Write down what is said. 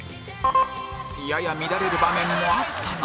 やや乱れる場面もあったが△